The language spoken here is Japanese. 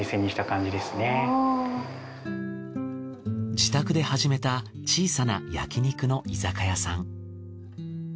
自宅で始めた小さな焼肉の居酒屋さん。